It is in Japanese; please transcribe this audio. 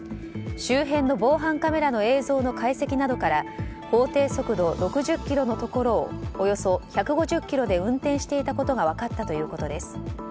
周辺の防犯カメラの映像などの解析から法定速度６０キロのところをおよそ１５０キロで運転していたことが分かったということです。